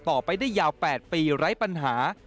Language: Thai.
ต่อไปได้ยาว๘ปีไร้ปัญหา